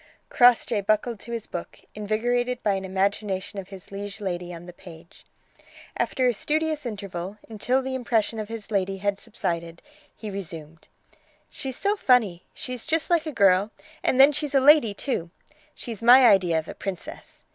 Crossjay buckled to his book, invigorated by an imagination of his liege lady on the page. After a studious interval, until the impression of his lady had subsided, he resumed: "She's so funny. She's just like a girl, and then she's a lady, too. She's my idea of a princess.